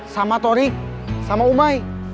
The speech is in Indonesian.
sama tori sama umai